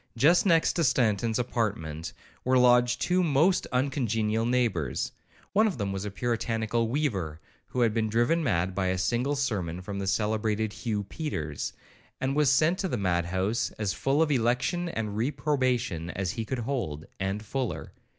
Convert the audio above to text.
Just next to Stanton's apartment were lodged two most uncongenial neighbours. One of them was a puritanical weaver, who had been driven mad by a single sermon from the celebrated Hugh Peters, and was sent to the mad house as full of election and reprobation as he could hold,—and fuller.